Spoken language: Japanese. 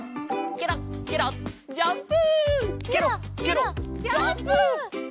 ケロッケロッジャンプ！